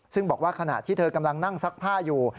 ซึ่งบอกว่าขณะที่เธอกำลังนั่งซักผ้าอยู่